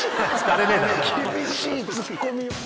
厳しいツッコミ。